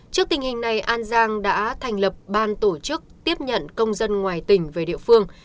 trước tình hình này an giang đã thành lập ban tổ chức tiếp nhận công dân ngoài tỉnh về địa phương